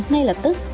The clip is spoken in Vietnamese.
ngay lập tức